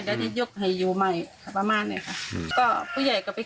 ได้ยกให้อยู่ใหม่ค่ะประมาณงี้ค่ะก็ผู้ใหญ่ก็เป็น